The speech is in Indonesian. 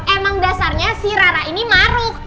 emang dasarnya si rara ini maruh ya kan